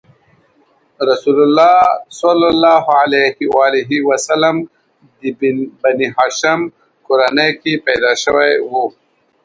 رسول الله د بنیهاشم کورنۍ کې پیدا شوی و.